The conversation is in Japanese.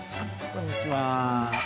こんにちは。